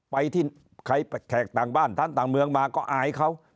ไปที่ใครแขกต่างบ้านท่านต่างเมืองมาก็อายเขา